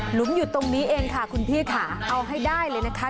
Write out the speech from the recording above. หุมอยู่ตรงนี้เองค่ะคุณพี่ค่ะเอาให้ได้เลยนะคะ